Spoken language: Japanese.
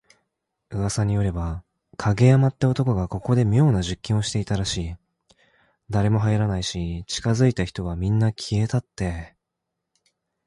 噂によれば、影山って男がここで妙な実験をしてたらしい。誰も入らないし、近づいた人はみんな…消えたって。